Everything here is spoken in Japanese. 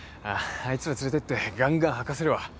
あいつら連れてってがんがん吐かせるわ。